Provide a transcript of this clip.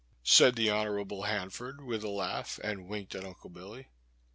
*' said the Hon. Hanford, with a laugh, and winked at Unde Billy.